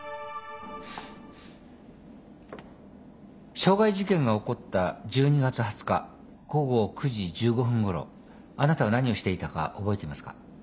傷害事件が起こった１２月２０日午後９時１５分ごろあなたは何をしていたか覚えていますか。